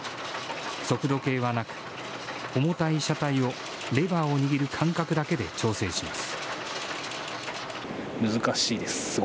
速度計はなく、重たい車体をレバーを握る感覚だけで調整します。